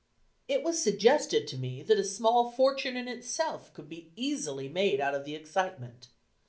It was suggested to me that a small fortune in itself could be easily made out of the excitement.